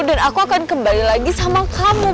dan aku akan kembali lagi sama kamu